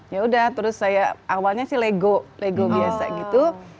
ya udah terus saya awalnya sih lego lego biasa gitu